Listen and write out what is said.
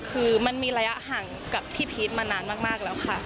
คือมันมีระยะห่างกับพี่พีชมานานมากแล้วค่ะ